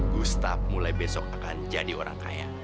gustaf mulai besok akan jadi orang kaya